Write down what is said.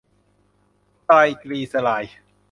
ไตรกรีเซอไรด์